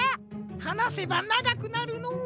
はなせばながくなるのう。